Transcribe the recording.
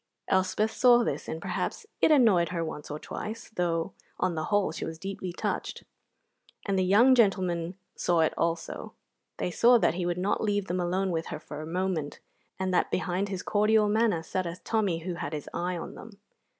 Elspeth saw this, and perhaps it annoyed her once or twice, though on the whole she was deeply touched; and the young gentlemen saw it also: they saw that he would not leave them alone with her for a moment, and that behind his cordial manner sat a Tommy who had his eye on them.